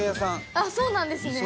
あっそうなんですね。